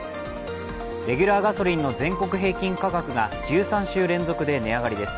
レギュラーガソリンの全国平均価格が１３週連続で値上がりです。